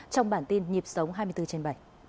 trong bản tin nhịp sống hai mươi bốn trên bảy